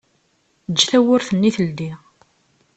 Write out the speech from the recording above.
Eǧǧ tawwurt-nni teldi.